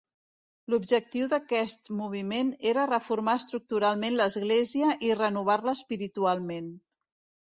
L'objectiu d'aquest moviment era reformar estructuralment l'Església i renovar-la espiritualment.